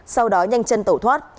sau đó nhanh chân tẩu thoát